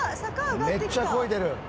めっちゃこいでる！